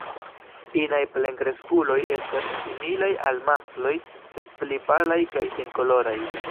Inaj plenkreskuloj estas similaj al maskloj sed pli palaj kaj senkoloraj.